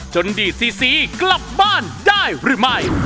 ดีดซีซีกลับบ้านได้หรือไม่